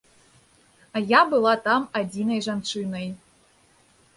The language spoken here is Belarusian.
А я была там адзінай жанчынай.